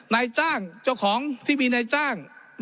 ในจ้างเจ้าของที่มีในจ้าง